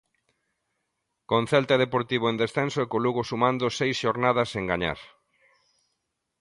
Con Celta e Deportivo en descenso e co Lugo sumando seis xornadas sen gañar.